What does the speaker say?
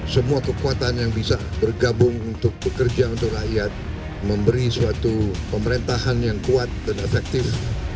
semua kekuatan yang bisa bergabung untuk bekerja untuk rakyat memberi suatu pemerintahan yang kuat dan efektif